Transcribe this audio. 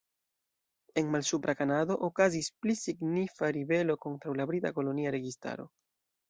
En Malsupra Kanado okazis pli signifa ribelo kontraŭ la brita kolonia registaro.